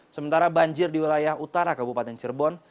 sementara banjir di wilayah utara kabupaten cirebon